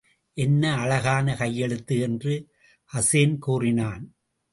என்ன அழகான கையெழுத்து! என்று ஹசேன் கூறினான்.